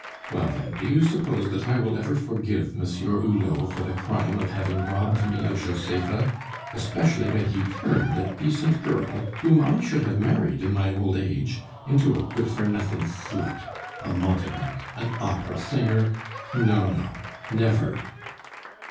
"Well, then, do you suppose that I will ever forgive Monsieur Hulot for the crime of having robbed me of Josepha especially when he turned a decent girl, whom I should have married in my old age, into a good for nothing slut, a mountebank, an opera singer! No, no. Never!"